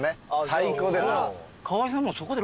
最高です。